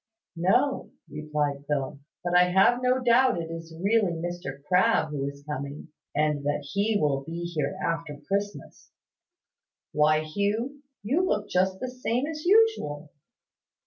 "No," replied Phil. "But I have no doubt it is really Mr Crabbe who is coming, and that he will be here after Christmas. Why, Hugh, you look just the same as usual!"